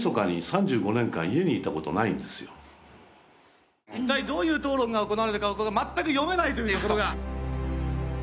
僕はだから一体どういう討論が行われるかが全く読めないという事が。